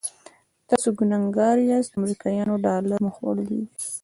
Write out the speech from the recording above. تاسې ګنهګار یاست د امریکایانو ډالر مو خوړلي دي.